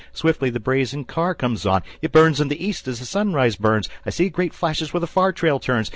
Swiftly the brazen car comes on. It burns in the East as the sunrise burns. I see great flashes where the far trail turns.